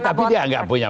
anak mantu anak bontak